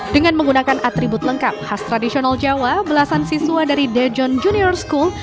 dengan menggunakan atribut lengkap khas tradisional jawa belasan siswa dari dejon junior school